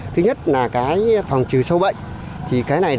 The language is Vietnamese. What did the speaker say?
thứ nhất là phòng trừ sâu bệnh